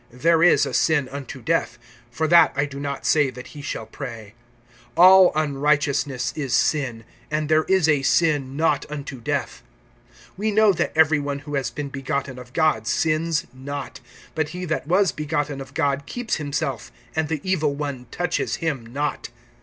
There is a sin unto death; for that I do not say that he shall pray. (17)All unrighteousness is sin; and there is a sin not unto death. (18)We know that every one who has been begotten of God sins not; but he that was begotten of God keeps himself; and the evil one touches him not.